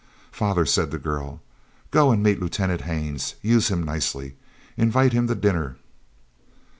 "Father," said the girl, "go and meet Lieutenant Haines, use him nicely. Invite him to dinner."